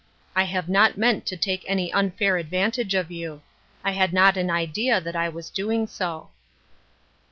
I have not meant to take any unfair advantage of you. I had not an idea that I was doing so."